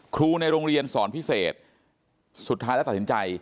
ครูในโรงเรียนสอนพิเศษสุดท้ายแล้วตัดสินใจ